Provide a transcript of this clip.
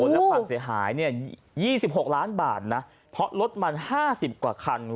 และความเสียหาย๒๖ล้านบาทนะเพราะรถมัน๕๐กว่าคัน